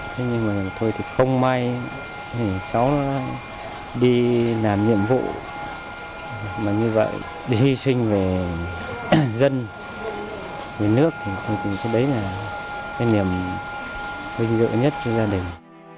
thế nhưng mà thôi thì không may cháu đi làm nhiệm vụ mà như vậy đi sinh về dân về nước thì tôi nghĩ đấy là cái niềm vinh dự nhất cho gia đình